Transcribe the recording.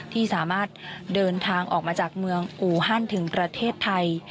ที่สามารถเดินทางออกมาจากเมืองอูฮันถึงประเทศไทย